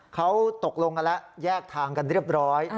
เขาตกลงกันแล้วแยกทางกันเรียบร้อย